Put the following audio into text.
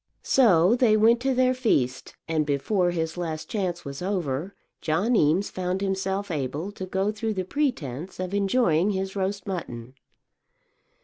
So they went to their feast, and before his last chance was over John Eames found himself able to go through the pretence of enjoying his roast mutton.